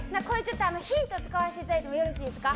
ヒント使わせていただいてもよろしいですか。